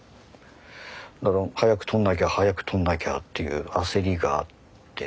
だから早く取んなきゃ早く取んなきゃっていう焦りがあって。